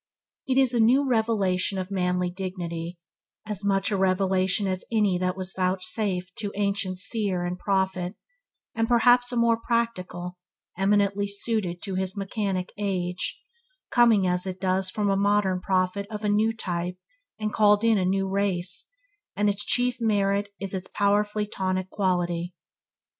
It is a new revelation of manly dignity; as much a revelation as any that was vouchsafed to ancient seer and prophet, and perhaps a more practical, eminently suited to his mechanic age, coming, as it does from a modern prophet of a new type and called in a new race, and its chief merit is its powerfully tonic quality.